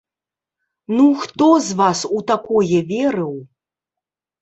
Ну хто з вас у такое верыў?